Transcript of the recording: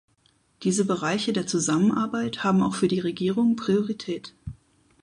Diese Bereiche der Zusammenarbeit haben auch für die Regierung Priorität.